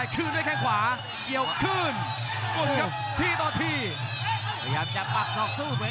เกี่ยวแล้วคืนด้วยเขาซ้าย